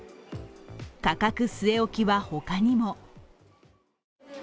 価格据え置きは、他にも。